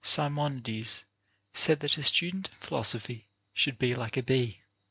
Simonides said that a student in philo sophy should be like a bee.